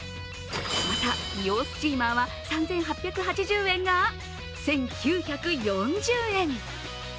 また美容スチーマーは３８８０円が１９４０円。